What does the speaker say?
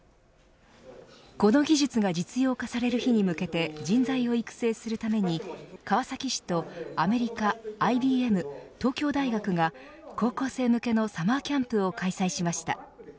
この技術が実用化される日に向けて、人材を育成するために川崎市とアメリカＩＢＭ東京大学が高校生向けのサマーキャンプを開催しました。